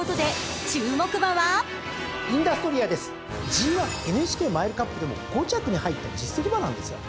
ＧⅠＮＨＫマイルカップでも５着に入った実績馬なんですよ。